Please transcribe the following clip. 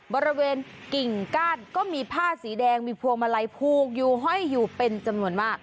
บริเวณกิ่งก้านก็มีผ้าสีแดงมีพวงมาลัยผูกอยู่ห้อยอยู่เป็นจำนวนมาก